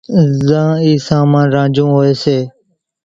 زان اِي سامان رانجھون ھوئي سي۔